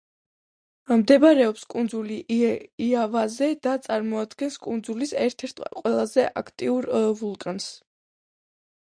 მდებარეობს კუნძულ იავაზე და წარმოადგენს კუნძულის ერთ-ერთ ყველაზე აქტიურ ვულკანს.